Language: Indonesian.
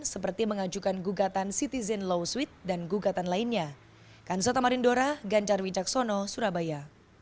seperti mengajukan gugatan citizen law suite dan gugatan lainnya